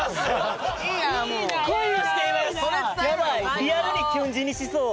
リアルにキュン死にしそう。